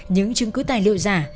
những chứng cứ tài liệu giả